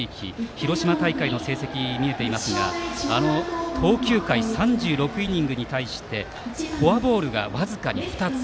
広島大会の成績を見ると投球回３６イニングに対してフォアボールが僅かに２つ。